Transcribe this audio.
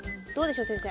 どうでしょう？